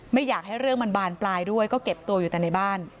ไม่อยากให้เรื่องมันบานปลายด้วยก็เก็บตัวอยู่แต่ในบ้าน